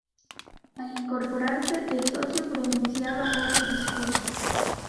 Al incorporarse, el socio pronunciaba otro discurso.